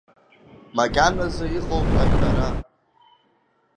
Макьаназы иҟоуп ашәара…